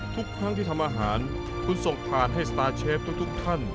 ทุกครั้งที่ทำอาหารคุณส่งผ่านให้สตาร์เชฟทุกท่าน